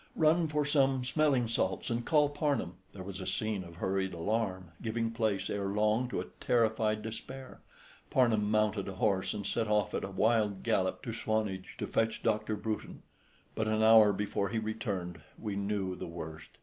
"Run for some smelling salts and call Parnham!" There was a scene of hurried alarm, giving place ere long to terrified despair. Parnham mounted a horse and set off at a wild gallop to Swanage to fetch Dr. Bruton; but an hour before he returned we knew the worst.